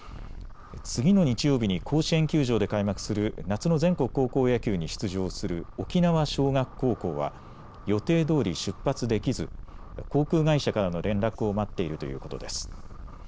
次の日曜日に甲子園球場で開幕する夏の全国高校野球に出場する沖縄尚学高校は予定どおり出発できず航空会社からの連絡を待っているということです。